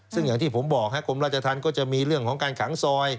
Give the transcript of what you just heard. ซึ่งอย่างที่ผมบอกกรมราชธรรมก็จะมีเรื่องของการขังซอย